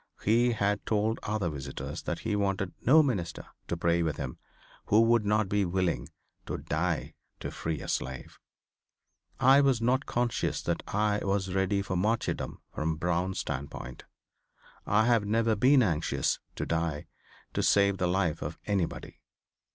He had told other visitors that he wanted no minister to pray with him who would not be willing to die to free a slave. I was not conscious that I was ready for martyrdom from Brown's standpoint. I have never been anxious to die to save the life of any body.